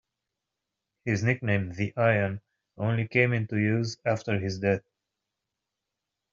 His nickname "the Iron" only came into use after his death.